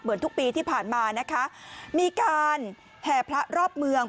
ทุกปีที่ผ่านมานะคะมีการแห่พระรอบเมือง